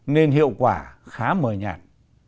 nên hiệu quả khá mờ nhạt